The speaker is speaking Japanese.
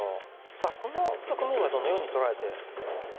さあこの局面はどのように捉えていましたか？